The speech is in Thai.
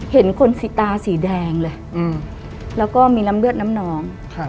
เห็นคนสีตาสีแดงเลยแล้วก็มีน้ำเลือดน้ำนอง